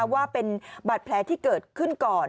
ว่าเป็นบาดแผลที่เกิดขึ้นก่อน